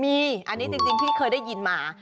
มีอันนี้จริงพี่เคยได้ยินมา